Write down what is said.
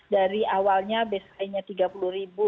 dari awalnya biasanya tiga puluh ribu